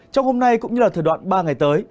trong hôm nay cũng như là thời đoạn ba ngày tới